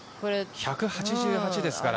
１８８ですから。